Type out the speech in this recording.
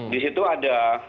di situ ada